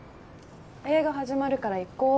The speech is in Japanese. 映画始まるから行こう。